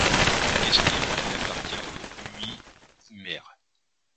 On estime qu'il appartenait aux Uí Ímair.